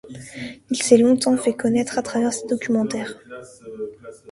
Il s'est longtemps fait connaître à travers ses documentaires.